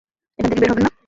এখান থেকে বের হবেন না!